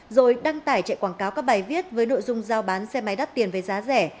rồi đăng tải chạy quảng cáo các bài viết với nội dung giao bán xe máy đắt tiền với giá rẻ